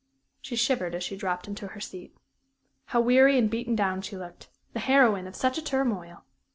She shivered as she dropped into her seat. How weary and beaten down she looked the heroine of such a turmoil!